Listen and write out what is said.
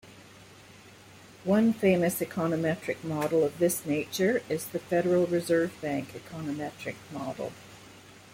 One famous econometric model of this nature is the Federal Reserve Bank econometric model.